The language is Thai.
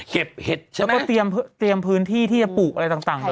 เก็บเห็ดใช่มั้ยแล้วก็เตรียมพื้นที่ที่จะปลูกอะไรต่าง